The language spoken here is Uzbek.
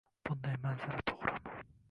Bunday manzara to‘g‘rimi?